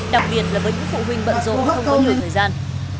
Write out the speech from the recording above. đặc biệt là bởi những phụ huynh bận rộn không có nhiều thời gian